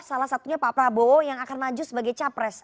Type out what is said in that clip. salah satunya pak prabowo yang akan maju sebagai capres